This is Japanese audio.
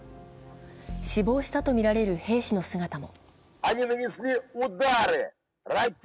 死亡したとみられる兵士の姿も。